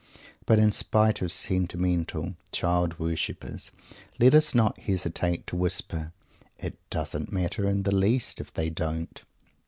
But, in spite of sentimental Child worshippers, let us not hesitate to whisper: "It doesn't matter in the least if they don't!"